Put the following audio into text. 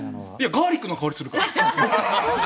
ガーリックの香りがするから。